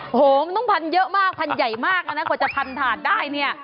โอ้โหมันต้องพันเยอะมากพันใหญ่มากนะกว่าจะพันถาดได้เนี่ย